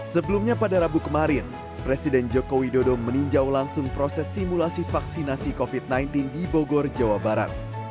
sebelumnya pada rabu kemarin presiden joko widodo meninjau langsung proses simulasi vaksinasi covid sembilan belas di bogor jawa barat